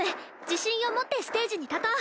自信を持ってステージに立とう。